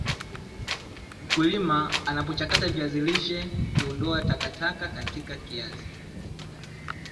mkulima anapochakata viazi lishe Kuondoa takataka katika viazi